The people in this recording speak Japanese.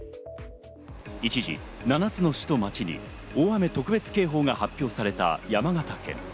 一時７つの市と町に大雨特別警報が発表された山形県。